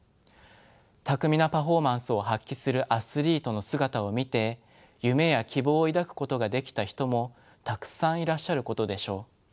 巧みなパフォーマンスを発揮するアスリートの姿を見て夢や希望を抱くことができた人もたくさんいらっしゃることでしょう。